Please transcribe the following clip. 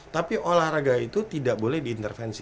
tapi olahraga itu tidak boleh diintervensi